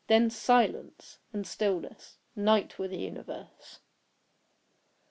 Then silence, and stillness, night were the universe.